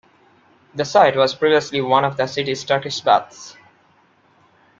The site was previously one of the city's Turkish baths.